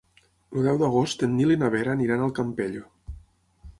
El deu d'agost en Nil i na Vera aniran al Campello.